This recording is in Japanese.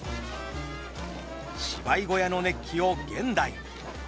芝居小屋の熱気を現代に。